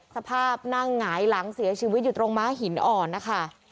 สภาพนั่งหงายหลังเสียชีวิตอยู่ตรงม้าหินอ่อนนะคะ